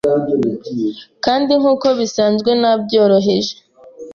kandi nkuko bisanzwe nabyohereje